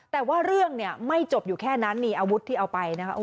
แต่ว่าเรื่องเนี่ยไม่จบอยู่แค่นั้นนี่อาวุธที่เอาไปนะคะ